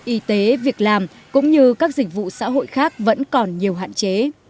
y tế việc làm cũng như các dịch vụ xã hội khác vẫn còn nhiều hạn chế